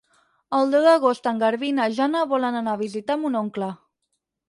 El deu d'agost en Garbí i na Jana volen anar a visitar mon oncle.